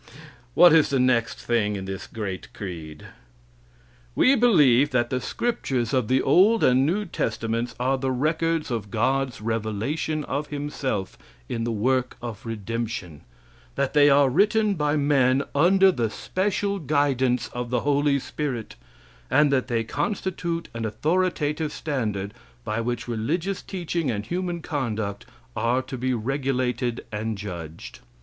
What is the next thing in this great creed? "We believe that the scriptures of the old and new testaments are the records of God's revelation of Himself in the work of redemption; that they are written by men, under the special guidance of the Holy Spirit, and that they constitute an authoritative standard by which religious teaching and human conduct are to be regulated and judged."